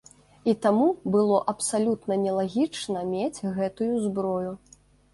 І таму, было абсалютна нелагічна мець гэтую зброю.